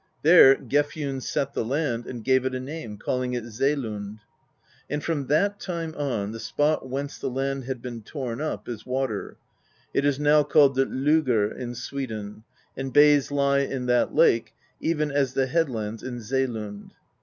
There Gefjun set the land, and gave it a name, calling it Selund. And from that time on, the spot whence the land had been torn up is water: it is now called the Logr in Sweden; and bays lie in that lake even as the headlands in Selund.